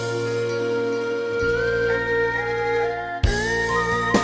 เปลี่ยนเพลงเก่งของคุณและข้ามผิดได้๑คำ